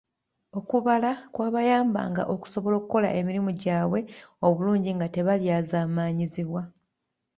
Okubala kwabayambanga okusobola okukola emirimu gyabwe obulungi nga tebalyazamaanyizibwa.